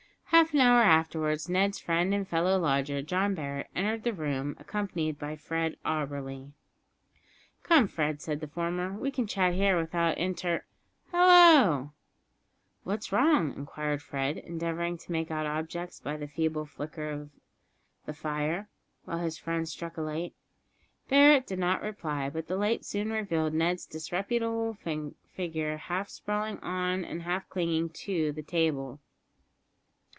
Half an hour afterwards Ned's friend and fellow lodger, John Barret, entered the room, accompanied by Fred Auberly. "Come, Fred," said the former, "we can chat here without interr hallo " "What's wrong?" inquired Fred, endeavouring to make out objects by the feeble flicker of the fire, while his friend struck a light. Barret did not reply, but the light soon revealed Ned's disreputable figure half sprawling on and half clinging to the table.